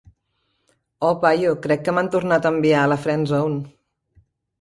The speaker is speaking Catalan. Oh, paio, crec que m'han tornat a enviar a la "friendzone".